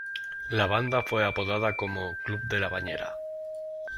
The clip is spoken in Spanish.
La banda fue apodada como "Club de la bañera".